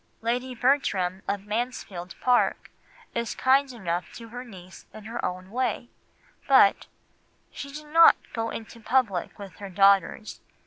Lady Bertram of Mansfield Park is kind enough to her niece in her own way, but "she did not go into public with her daughters.